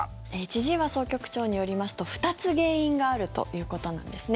千々岩総局長によりますと２つ原因があるということです。